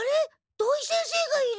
土井先生がいる。